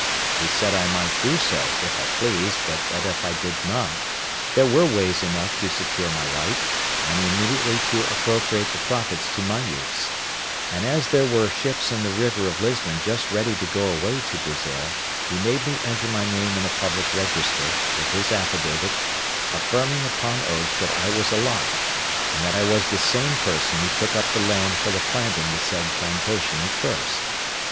He said I might do so if I pleased, but that if I did not, there were ways enough to secure my right, and immediately to appropriate the profits to my use: and as there were ships in the river of Lisbon just ready to go away to Brazil, he made me enter my name in a public register, with his affidavit, affirming, upon oath, that I was alive, and that I was the same person who took up the land for the planting the said plantation at first.